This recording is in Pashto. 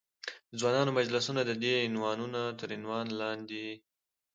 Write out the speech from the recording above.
د ځوانانو مجلسونه، ددې عنوانونو تر عنوان لاندې.